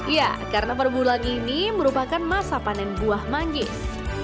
ya karena perbulan ini merupakan masa panen buah manggis